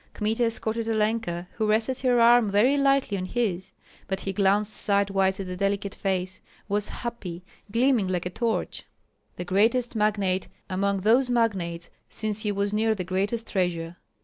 Kmita escorted Olenka, who rested her arm very lightly on his; but he glanced sidewise at the delicate face, was happy, gleaming like a torch, the greatest magnate among those magnates, since he was near the greatest treasure.